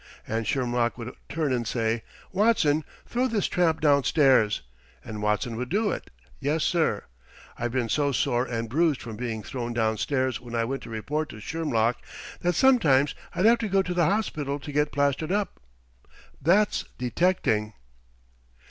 and Shermlock would turn and say, 'Watson, throw this tramp downstairs.' And Watson would do it. Yes, sir! I've been so sore and bruised from being thrown downstairs when I went to report to Shermlock that sometimes I'd have to go to the hospital to get plastered up. That's detecting!"